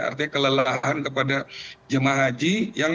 artinya kelelahan kepada jemaah haji